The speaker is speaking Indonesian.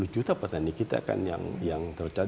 dua puluh juta petani kita kan yang tercatat